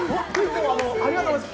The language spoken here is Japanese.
ありがとうございます。